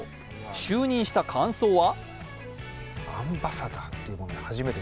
就任した感想は？